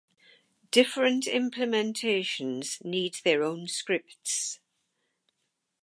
different implementations need their own scripts